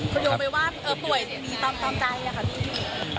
คุณโดมไปว่าต่วยมีต้องต้องใจนะคะ